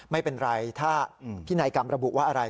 ไม่เป็นไรถ้าพินัยกรรมระบุว่าอะไร